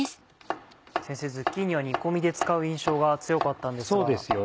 ズッキーニは煮込みで使う印象が強かったんですが。